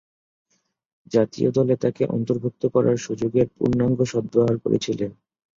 জাতীয় দলে তাকে অন্তর্ভুক্ত করার সুযোগের পূর্ণাঙ্গ সদ্ব্যবহার করেছিলেন।